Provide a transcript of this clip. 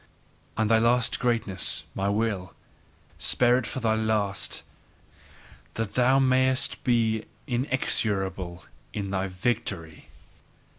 And thy last greatness, my Will, spare it for thy last that thou mayest be inexorable IN thy victory!